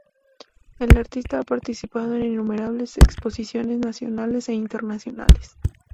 El artista ha participado en innumerables exposiciones nacionales e internacionales.